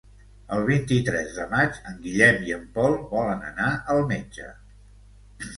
El vint-i-tres de maig en Guillem i en Pol volen anar al metge.